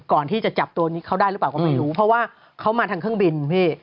ก่อนที่จะจับตัวนี้เขาได้หรือเปล่าก็ไม่รู้เพราะว่าเขามาทางเครื่องบินพี่